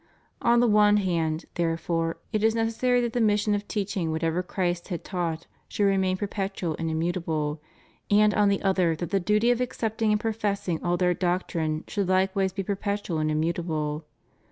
^ On the one hand, therefore, it is necessary that the mission of teaching whatever Christ had taught should remain per petual and immutable, and on the other that the duty of accepting and professing all their doctrine should like wise be perpetual and immutable.